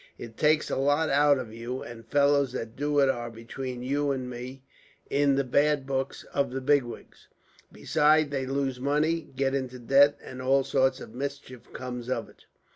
It takes a lot out of one, and fellows that do it are, between you and me, in the bad books of the bigwigs. Besides, they lose money, get into debt, and all sorts of mischief comes of it."